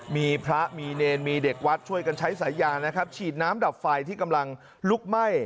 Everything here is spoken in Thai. มีพระมีเนรมีเด็กวัดช่วยกันใช้สายยางนะครับฉีดน้ำดับไฟที่กำลังลุกไหม้